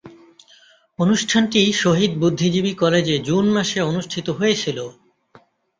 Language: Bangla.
অনুষ্ঠানটি শহীদ বুদ্ধিজীবী কলেজে জুন মাসে অনুষ্ঠিত হয়েছিলো।